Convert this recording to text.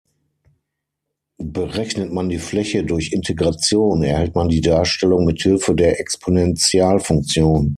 Berechnet man die Fläche durch Integration, erhält man die Darstellung mit Hilfe der Exponentialfunktion.